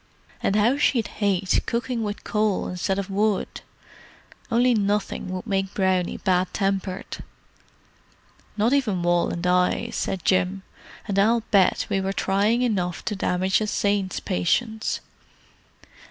And how she'd hate cooking with coal instead of wood! Only nothing would make Brownie bad tempered." "Not even Wal and I," said Jim. "And I'll bet we were trying enough to damage a saint's patience.